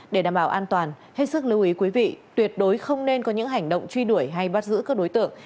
để đảm bảo an toàn hết sức lưu ý quý vị tuyệt đối không nên có những hành động truy đuổi hay bắt giữ các đối tượng